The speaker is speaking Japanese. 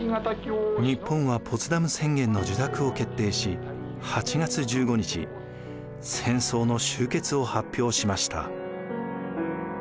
日本はポツダム宣言の受諾を決定し８月１５日戦争の終結を発表しました。